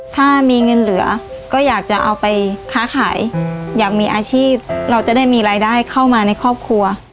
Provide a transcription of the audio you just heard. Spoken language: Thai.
ถ้ามีเงินเหลือก็อยากจะเอาไปค้าขายอยากมีอาชีพเราจะได้มีรายได้เข้ามาในครอบครัว